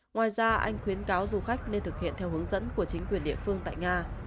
ngoài ra anh khuyến cáo du khách nên thực hiện theo hướng dẫn của chính quyền địa phương tại nga